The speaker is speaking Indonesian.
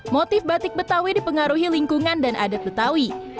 motif batik betawi dipengaruhi lingkungan dan adat betawi